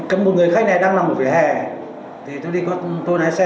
anh kim đã ngủ quên trên xe